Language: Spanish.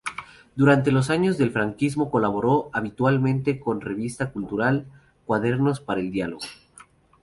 Durante los años del franquismo colaboró habitualmente con revista cultural "Cuadernos para el Diálogo".